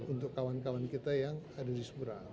untuk kawan kawan kita yang ada di seberang